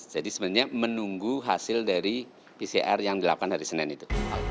jadi sebenarnya menunggu hasil dari pcr yang dilakukan hari senin itu